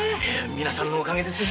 皆さんのおかげです。